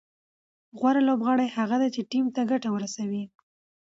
غوره لوبغاړی هغه دئ، چي ټیم ته ګټه ورسوي.